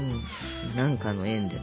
何かの縁で。